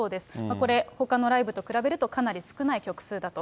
これ、ほかのライブと比べると、かなり少ない曲数だと。